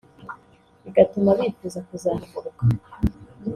bigatuma bifuza kuzahagaruka